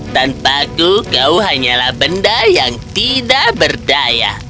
tanpaku kau hanyalah benda yang tidak berdaya